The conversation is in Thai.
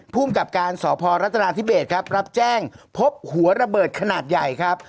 ภูมิกับการสพรัฐนาธิเบสครับรับแจ้งพบหัวระเบิดขนาดใหญ่ครับ